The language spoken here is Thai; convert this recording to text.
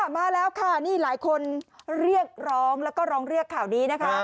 มาแล้วค่ะนี่หลายคนเรียกร้องแล้วก็ร้องเรียกข่าวนี้นะคะ